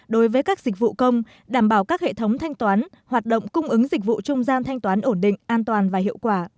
đối với các dịch vụ công đảm bảo các hệ thống thanh toán hoạt động cung ứng dịch vụ trung gian thanh toán ổn định an toàn và hiệu quả